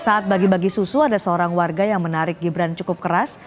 saat bagi bagi susu ada seorang warga yang menarik gibran cukup keras